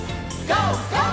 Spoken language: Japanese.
ＧＯ！